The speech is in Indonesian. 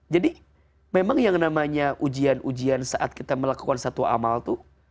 jadi memang yang namanya ujian ujian saat kita melakukan satu amal itu